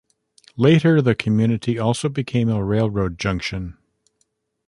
Later, the community also became a railroad junction.